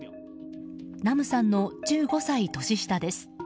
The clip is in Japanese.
ナムさんの１５歳年下です。